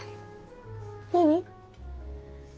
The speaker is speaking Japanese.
何？